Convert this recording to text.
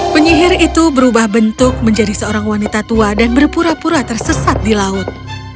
penyihir itu berubah bentuk menjadi seorang wanita tua dan berpura pura tersesat di laut